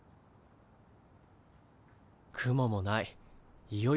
雲もない。